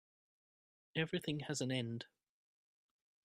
Everything has an end.